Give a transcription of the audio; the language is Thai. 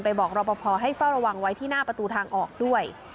บอกรอปภให้เฝ้าระวังไว้ที่หน้าประตูทางออกด้วย